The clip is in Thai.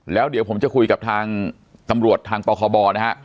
แล้วเดี๋ยวผมจะคุยกับทางตำรวจทางปคบนะฮะ